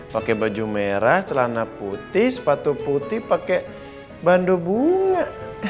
pakai baju merah celana putih sepatu putih pakai bandu bunga